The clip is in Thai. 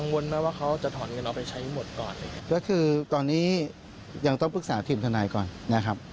ไหมว่าเขาจะถอนเงินเราไปใช้หมดก่อนก็คือตอนนี้ยังต้องปรึกษาทีมทนายก่อนนะครับ